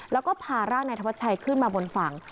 แล้วก็พาร่างนายธวัชชัยขึ้นมาบนฝั่ง